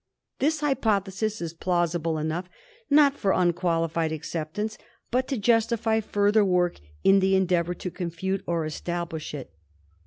This hypothesis is plausible enough ; not for unquali fied acceptance, but to justify further work in the endeavour to confute or establish it.